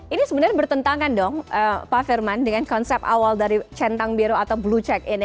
ini sebenarnya bertentangan dong pak firman dengan konsep awal dari centang biru atau blue check ini